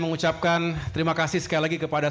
mengucapkan terima kasih sekali lagi kepada